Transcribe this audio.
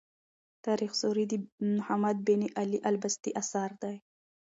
تاریخ سوري د محمد بن علي البستي اثر دﺉ.